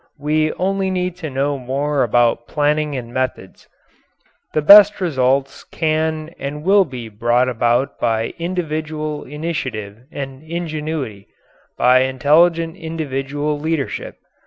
We only need to know more about planning and methods. The best results can and will be brought about by individual initiative and ingenuity by intelligent individual leadership.